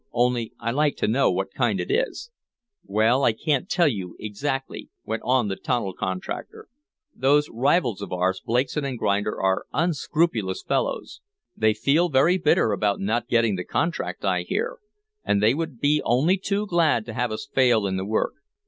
Only I like to know what kind it is." "Well, I can't tell you exactly," went on the tunnel contractor. "Those rivals of ours, Blakeson & Grinder, are unscrupulous fellows. They feel very bitter about not getting the contract, I hear. And they would be only too glad to have us fail in the work.